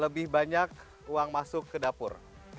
lebih banyak uang masuk ke dapur